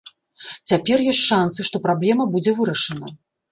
Цяпер ёсць шанцы, што праблема будзе вырашана.